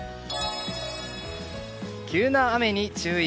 急な雨に注意。